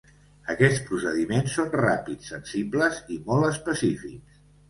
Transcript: Aquests procediments són ràpids, sensibles i molt específics.